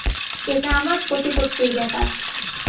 এটা আমার প্রতিপত্তির ব্যাপার!